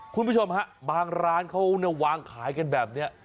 คุณผู้ชมฮะบางร้านเขาวางขายกันแบบนี้